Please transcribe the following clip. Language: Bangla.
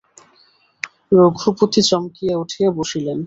রঘুপতি চমকিয়া উঠিয়া বসিলেন।